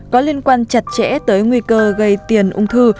có liên quan chặt chẽ tới nguy cơ gây tiền ung thư